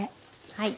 はい。